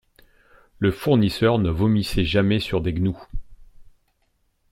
Le fournisseur ne vomissait jamais sur des gnous.